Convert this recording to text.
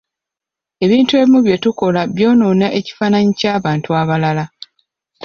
Ebintu ebimu bye tukola byonoona ekifaananyi by'abantu abalala.